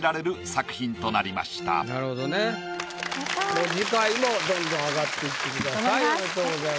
もう次回もどんどん上がっていってください。